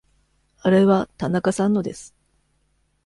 あれは田中さんのです。